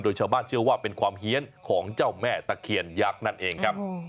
โดยชาวบ้านเชื่อว่าเป็นความเฮียนของเจ้าแม่ตะเคียนยักษ์นั่นเองครับ